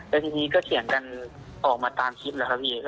แล้วทีนี้ก็เถียงกันออกมาตามคลิปแล้วครับพี่